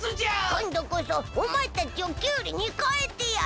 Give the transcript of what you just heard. こんどこそおまえたちをきゅうりにかえてやる！